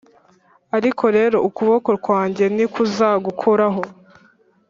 ariko rero ukuboko kwanjye ntikuzagukoraho.